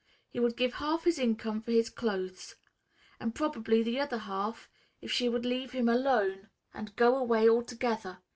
He would give half his income for his clothes, and probably the other half if she would leave him alone, and go away altogether.